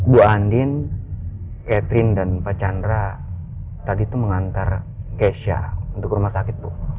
bu andin catherine dan pak chandra tadi itu mengantar keisha untuk rumah sakit bu